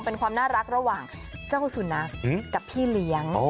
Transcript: เป็นความน่ารักระหว่างเจ้าสุนัขกับพี่เลี้ยง